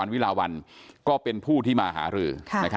วิลาวันก็เป็นผู้ที่มาหารือ